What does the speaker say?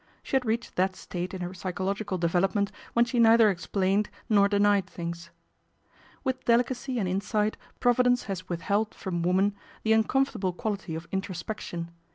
She had reached that state in her psycho logical development when she neither explained nor denied things. With delicacy and insight Providence has withheld from woman the uncomfortable quality of introspection.